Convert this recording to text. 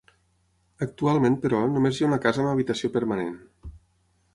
Actualment però només hi ha una casa amb habitació permanent.